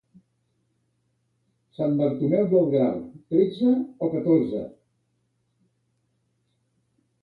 Sant Bartomeu del Grau, tretze o catorze?